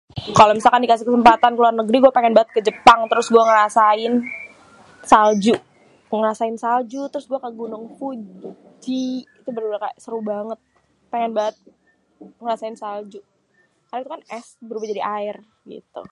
kalau misalkan dikasi kesempatan keluar negeri guè pengèn banget ke jepang terus guè ngerasain salju, terus guè ke gunung fuji itu bener-bener kayanya seru banget. pèn banget ngerasain salju kalau itu kan es berubah jadi aèr gitu.